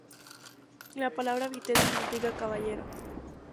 La palabra Vitez significa caballero.